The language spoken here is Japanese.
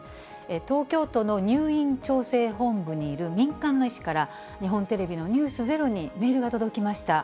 東京都の入院調整本部にいる民間の医師から、日本テレビのｎｅｗｓｚｅｒｏにメールが届きました。